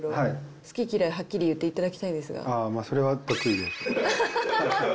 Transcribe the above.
好き嫌いはっきり言っていただきそれは得意です。